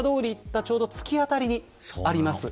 ちょうどつきあたりにあります。